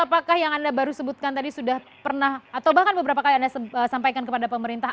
apakah yang anda baru sebutkan tadi sudah pernah atau bahkan beberapa kali anda sampaikan kepada pemerintah